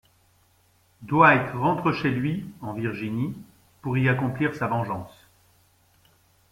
Dwight rentre chez lui, en Virginie, pour y accomplir sa vengeance.